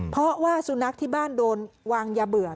เพราะว่าสุนัขที่บ้านโดนวางยาเบื่อ